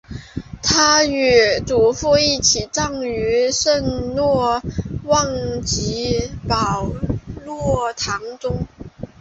他与祖父一起葬于圣若望及保禄堂中。